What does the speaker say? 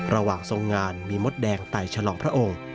ระหว่างทรงงานมีมดแดงไต่ฉลองพระองค์